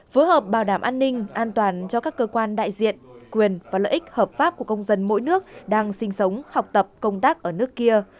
phối hợp bảo đảm an ninh an toàn cho các cơ quan đại diện quyền và lợi ích hợp pháp của công dân mỗi nước đang sinh sống học tập công tác ở nước kia